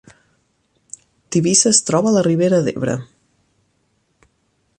Tivissa es troba a la Ribera d’Ebre